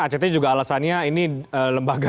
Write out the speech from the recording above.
act juga alasannya ini lembaga